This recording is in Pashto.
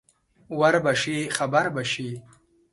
ور به شې خبر به شې